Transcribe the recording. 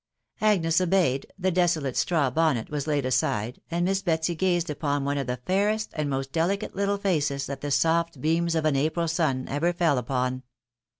Agnes obeyed, the " desolate" straw bonnet was laid aside, and Miss Betsy gazed upon one of the fairest and most de licate little feces that the soft beams of an April amn ever fell upon.